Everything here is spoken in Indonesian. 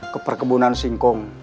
ke perkebunan singkong